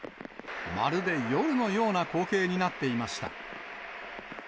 まるで夜のような光景になっていました。